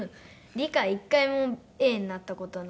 理科１回もＡになった事ないんです。